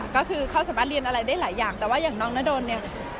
ก็คือเขาสามารถเรียนอะไรได้หลายอย่างแต่ว่าอย่างน้องนดนเนี่ย